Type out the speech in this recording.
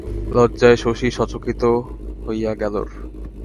লজ্জায় শশী সচকিত হইয়া গেলর।